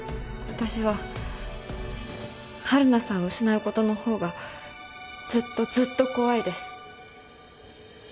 私は晴汝さんを失うことのほうがずっとずっと怖いです。